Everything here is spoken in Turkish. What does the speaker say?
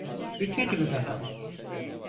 Bitmedi mi daha?